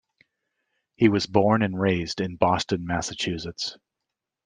He was born and raised in Boston, Massachusetts.